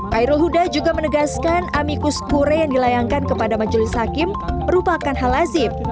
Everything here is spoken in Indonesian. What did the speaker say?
khairul huda juga menegaskan amikus kure yang dilayangkan kepada majelis hakim merupakan hal lazim